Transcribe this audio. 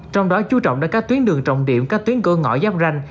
trong đó chú trọng đến các tuyến đường trọng điểm các tuyến cửa ngõ giáp ranh